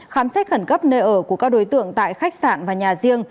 khám xét khẩn cấp nơi ở của các đối tượng tại khách sạn và nhà riêng